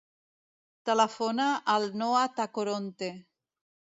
Telefona al Noah Tacoronte.